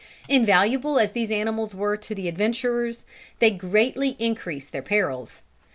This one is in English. Invaluable as these animals were to the adventurers, they greatly increased their perils.